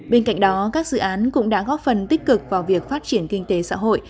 bên cạnh đó các dự án cũng đã góp phần tích cực vào việc phát triển kinh tế xã hội